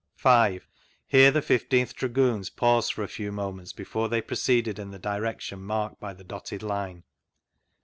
5. Here the 15 th Dragoons paused for a few moments before they proceeded in the direction marked by the dotted line.